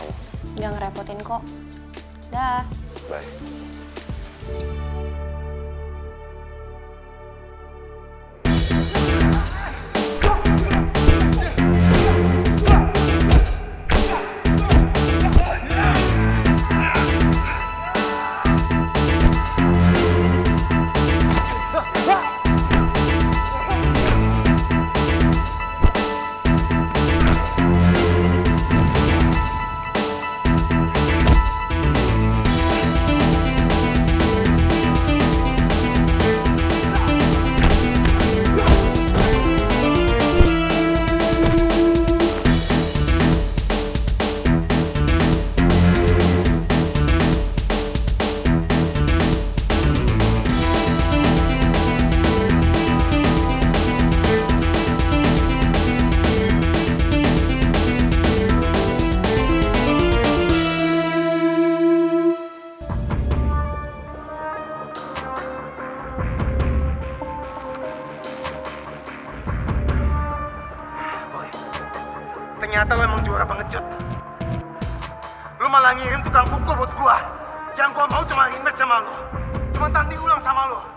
pak pak pak pak boynya kemana